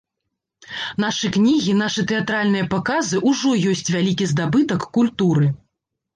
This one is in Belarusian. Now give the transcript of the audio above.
Нашы кнігі, нашы тэатральныя паказы ўжо ёсць вялікі здабытак культуры.